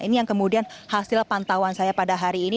ini yang kemudian hasil pantauan saya pada hari ini